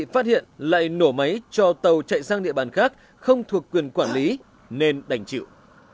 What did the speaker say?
phát hiện lại nổ máy cho tàu chạy sang địa bàn khác không thuộc quyền quản lý nên đành chịu